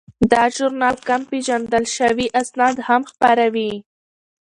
دا ژورنال کم پیژندل شوي اسناد هم خپروي.